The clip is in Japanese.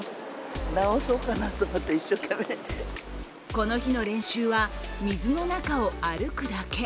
この日の練習は水の中を歩くだけ。